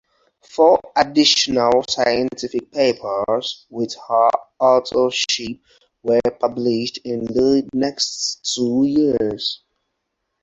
Four additional scientific papers with her authorship were published in the next two years.